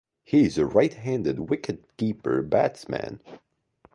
He is a right-handed wicketkeeper-batsman.